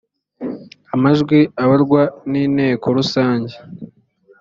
amajwi abarwa ninteko rusange.